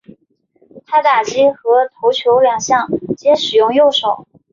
他打击和投球两项皆使用右手。